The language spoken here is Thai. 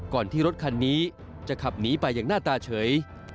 ที่รถคันนี้จะขับหนีไปอย่างหน้าตาเฉย